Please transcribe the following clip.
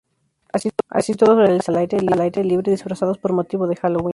Así, todos realizan la cena al aire libre disfrazados por motivo de Halloween.